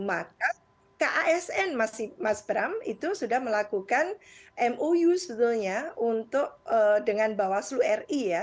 maka kasn mas bram itu sudah melakukan mou sebetulnya untuk dengan bawaslu ri ya